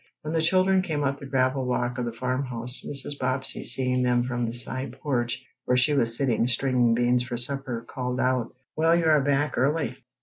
When the children came up the gravel walk of the farmhouse, Mrs. Bobbsey, seeing them from the side porch, where she was sitting, stringing beans for supper, called out: "Well you are back early.